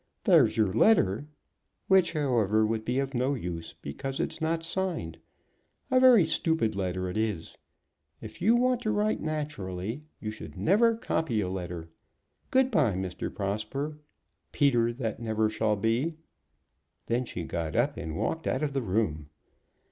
There's your letter, which, however, would be of no use, because it is not signed. A very stupid letter it is. If you want to write naturally you should never copy a letter. Good bye, Mr. Prosper Peter that never shall be." Then she got up and walked out of the room.